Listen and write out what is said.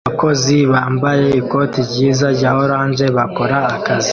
Abakozi bambaye ikoti ryiza rya orange bakora akazi